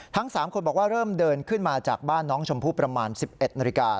ทั้ง๓คนบอกว่าเริ่มเดินขึ้นมาจากบ้านน้องชมพู่ประมาณ๑๑นาฬิกา